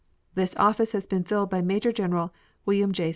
This office has been filled by Major General William J.